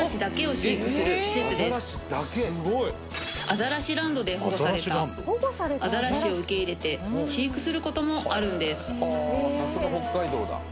アザラシランドで保護されたアザラシを受け入れて飼育することもあるんです